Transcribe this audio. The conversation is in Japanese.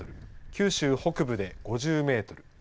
九州北部で５０メートル